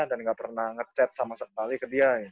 dan nggak pernah ngechat sama sekali ke dia